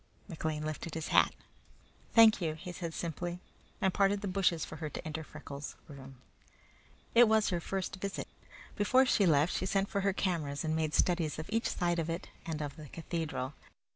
McLean lifted his hat. "Thank you," he said simply, and parted the bushes for her to enter Freckles' room. It was her first visit. Before she left she sent for her cameras and made studies of each side of it and of the cathedral.